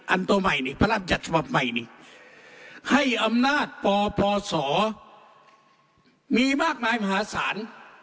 อันต่อใหม่นี่พระรับจัดสมัครใหม่นี่ให้อำนาคปอปศมีมากมายมหาศาล